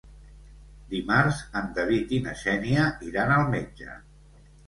Dimarts en David i na Xènia iran al metge.